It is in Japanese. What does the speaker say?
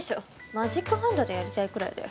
マジックハンドでやりたいくらいだよ。